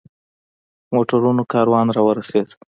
موټرونو کاروان را ورسېد.